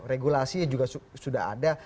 regulasi juga sudah ada